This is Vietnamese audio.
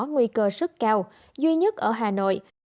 nguy cơ rất cao duy nhất ở hà nội